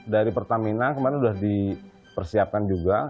dari pertamina kemarin sudah dipersiapkan juga